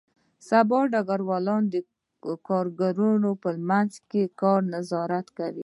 سبا ډګروال د کارګرانو په منځ کې د کار نظارت کاوه